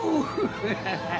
ハハハハハ！